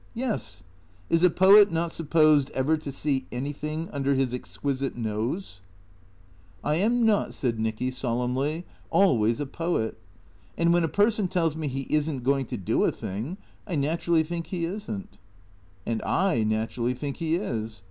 " Yes. Is a poet not supposed ever to see anything under his exquisite nose ?" 5 • 68 THECEEATOES " I am not," said Nicky solemnly, " always a poet. And when a person tells me he is n't going to do a thing, I naturally think he is n't." " And I naturally think he is.